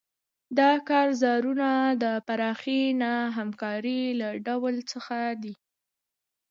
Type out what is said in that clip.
دا کارزارونه د پراخې نه همکارۍ له ډول څخه دي.